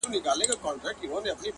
هوډ د لارې دوړې نه ویني